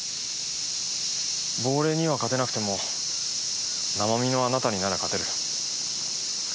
亡霊には勝てなくても生身のあなたになら勝てる。